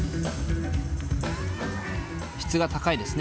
質が高いですね